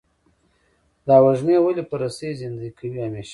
دا وږمې ولې په رسۍ زندۍ کوې همیشه؟